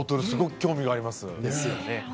すごく興味があります。